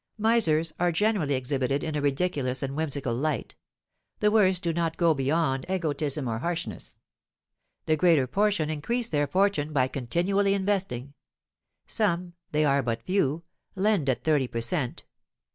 Misers are generally exhibited in a ridiculous and whimsical light; the worst do not go beyond egotism or harshness. The greater portion increase their fortune by continually investing; some (they are but few) lend at thirty per cent.